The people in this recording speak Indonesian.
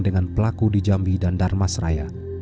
dengan pelaku di jambi dan darmasraya